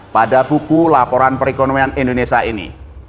pada buku laporan perekonomian indonesia ini